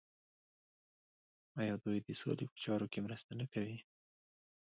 آیا دوی د سولې په چارو کې مرسته نه کوي؟